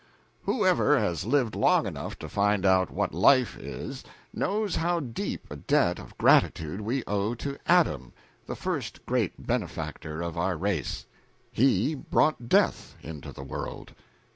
Whoever has lived long enough to find out what life is, knows how deep a debt of gratitude we owe to Adam, the first great benefactor of our race. He brought death into the world.